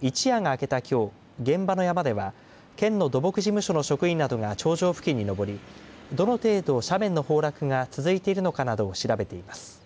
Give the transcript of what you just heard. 一夜が明けたきょう現場の山では県の土木事務所の職員などが頂上付近にのぼりどの程度、斜面の崩落が続いてるかなどを調べています。